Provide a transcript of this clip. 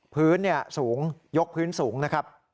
พื้นสูงยกพื้นสูงนะครับ